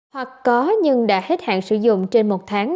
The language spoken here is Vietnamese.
hoặc có nhưng đã hết hạn sử dụng trên một tháng